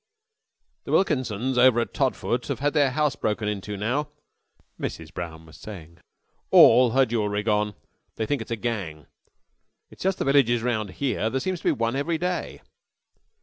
"The Wilkinsons over at Todfoot have had their house broken into now," Mrs. Brown was saying. "All her jewellery gone. They think it's a gang. It's just the villages round here. There seems to be one every day!"